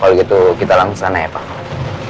kalau gitu kita langsung ke sana ya pak